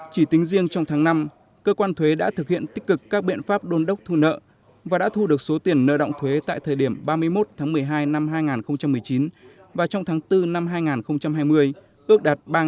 chỉ tính riêng trong tháng năm cơ quan thuế đã thực hiện tích cực các biện pháp đôn đốc thu nợ và đã thu được số tiền nợ động thuế tại thời điểm ba mươi một tháng một mươi hai năm hai nghìn một mươi chín và trong tháng bốn năm hai nghìn hai mươi ước đạt ba trăm linh tỷ đồng